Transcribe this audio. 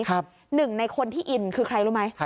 หนึ่งในคนที่อินคือใครรู้ไหม